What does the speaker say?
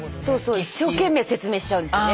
一生懸命説明しちゃうんですよね。